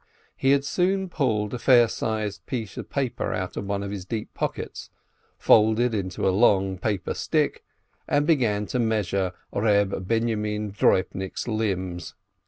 He had soon pulled a fair sized sheet of paper out of one of his deep pockets, folded it into a long paper stick, and begun to measure Reb Binyomin Droibnik's limbs.